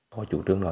có chủ trương đó